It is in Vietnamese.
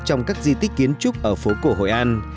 trong các di tích kiến trúc ở phố cổ hội an